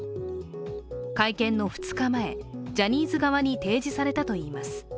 会見の２日前、ジャニーズ側に提出されたといいます。